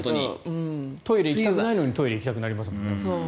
トイレに行きたくないのにトイレに行きたくなりますもんね。